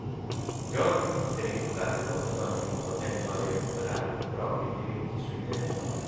Giorgio Federico Carlo, ad ogni modo, tentò di recuperare i propri diritti sui territori.